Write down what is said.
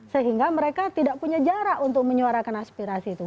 sehingga mereka tidak punya jarak untuk menyuarakan aspirasi itu